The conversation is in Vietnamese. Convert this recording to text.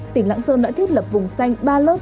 tỉnh lạng sơn đã thiết lập vùng xanh ba lớp